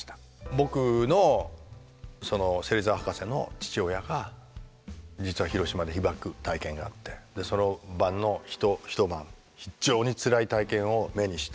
僕のその芹沢博士の父親が実は広島で被爆体験があってその晩の一晩非常につらい体験を目にして。